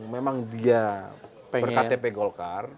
memang dia berktp golkar